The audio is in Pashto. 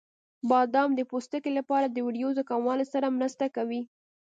بادام د پوستکي لپاره د وریځو کموالي سره مرسته کوي.